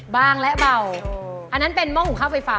บางและเบา